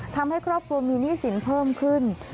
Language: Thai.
ทำให้ครอบครัวมีหนี้สินเพิ่มขึ้น